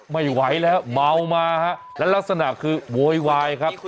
ไม่ไหวแล้วเมามาฮะแล้วลักษณะคือโวยวายครับ